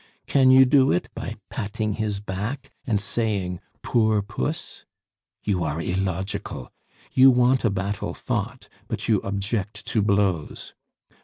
Can you do it by patting his back and saying, 'Poor Puss'? You are illogical. You want a battle fought, but you object to blows.